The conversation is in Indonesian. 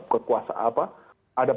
kekuasaan apa ada